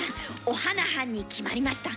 「おはなはん」に決まりました。